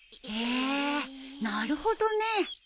へえなるほどね。